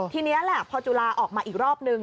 ทีนี้แหละพอจุฬาออกมาอีกรอบนึง